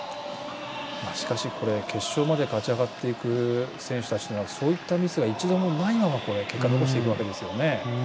しかし、決勝まで勝ち上がっていく選手たちというのはそういったミスが一度もないまま結果を残しているわけですよね。